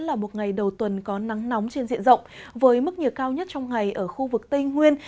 là một ngày đầu tuần có nắng nóng trên diện rộng với mức nhiệt cao nhất trong ngày ở khu vực tây nguyên